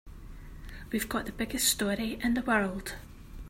We've got the biggest story in the world.